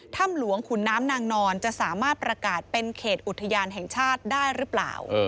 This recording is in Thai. ถ้ำหลวงขุนน้ำนางนอนจะสามารถประกาศเป็นเขตอุทยานแห่งชาติได้หรือเปล่า